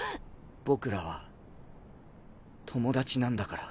僕らは友達なんだから。